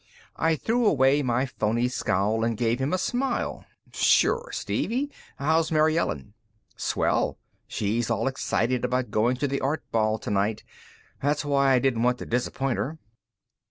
I threw away my phony scowl and gave him a smile. "Sure, Stevie. How's Mary Ellen?" "Swell. She's all excited about going to the Art Ball tonight that's why I didn't want to disappoint her."